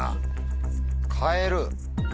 変える？